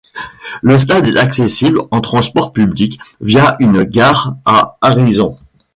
Le stade est accessible en transport public via une gare à Harrison.